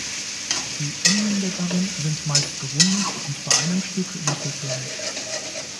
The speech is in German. Die Enden der Barren sind meist gerundet und bei einem Stück löffelförmig.